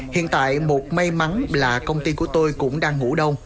hiện tại một may mắn là công ty của tôi cũng đang ngủ đông